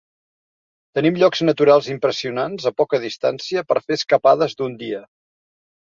Tenim llocs naturals impressionants a poca distància per fer escapades d'un dia.